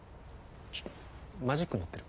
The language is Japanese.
ちょっマジック持ってる？